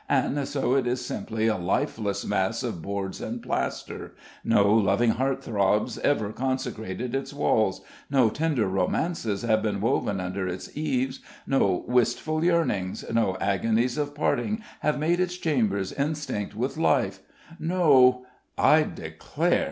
"And so it is simply a lifeless mass of boards and plaster no loving heartthrobs ever consecrated its walls no tender romances have been woven under its eaves no wistful yearnings no agonies of parting have made its chambers instinct with life no " "I declare!"